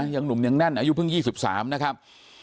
ยังหนุ่มยังแน่นอายุเพิ่ง๒๓นะครับ